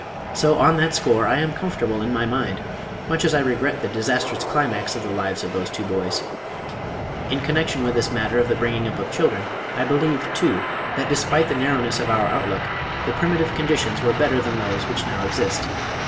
So, on that score, I am comfortable in my mind, much as I regret the disastrous climax of the lives of those two boys. In connection with this matter of the bringing up of children I believe, too, that despite the narrowness of our outlook, the primitive conditions were better than those which now exist.